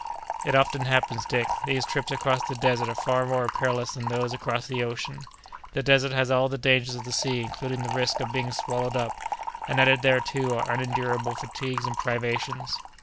"It often happens, Dick; these trips across the desert are far more perilous than those across the ocean. The desert has all the dangers of the sea, including the risk of being swallowed up, and added thereto are unendurable fatigues and privations."